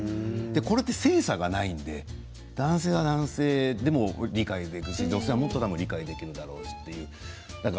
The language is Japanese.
それは性差はないので男性は男性でも理解できるし女性はもっと理解できると思うんです。